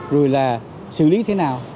rồi là xử lý thế nào